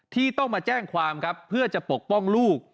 ที่ต้องมาแจ้งความครับเพื่อจะปกป้องลูก